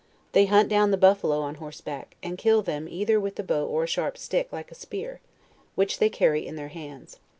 They hunt down the buffalo on horseback, and kill them either with the bow or a sharp stick like a spear, which they carry in their hands.